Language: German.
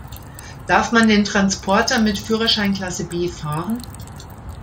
Darf man den Transporter mit Führerscheinklasse B fahren?